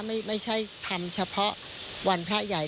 ไม่ใช่ทำเฉพาะวันพระใหญ่